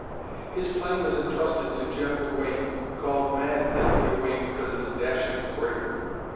His plan was entrusted to General Wayne, called "Mad Anthony" Wayne because of his dashing bravery.